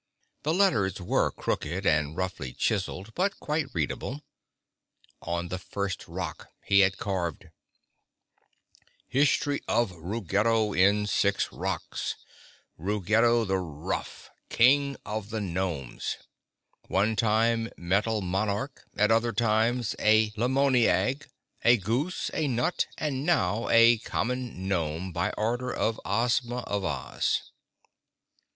The letters were crooked and roughly chiseled, but quite readable. On the first rock he had carved: History of Ruggedo in Six Rocks Ruggedo the Rough—King of the Gnomes One time Metal Monarch, at other times a Limoneag, a goose, a nut, and now a common gnome by order of _Ozma of Oz.